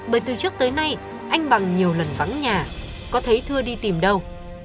bởi từ trước tới nay anh bằng nhiều lần vắng nhà có thấy thưa đi tìm đâu